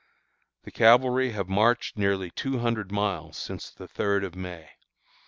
The cavalry have marched nearly two hundred miles since the third of May.